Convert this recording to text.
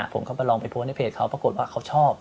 ผมมายังไปลองโพสต์ในเพจเค้าปรากฏว่าเค้าชอบ